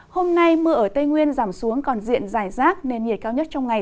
hôm nay mưa ở tây nguyên giảm xuống còn diện dài rác nên nhiệt cao nhất trong ngày